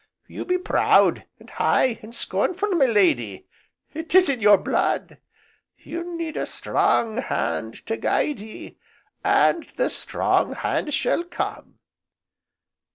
You be proud, and high, and scornful, my lady, 'tis in your blood, you'll need a strong hand to guide ye, and the strong hand shall come.